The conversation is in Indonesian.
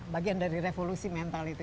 bagian dari revolusi mental itu juga ya